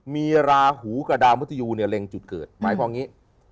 มีราหูกับดาวมุทยูเนี่ยเร็งจุดเกิดหมายความอย่างนี้